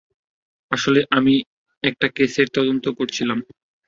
আসলে, তখনও আমি একটা কেসের তদন্ত করছিলাম।